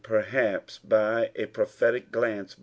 perhaps, by a prophetic glanee.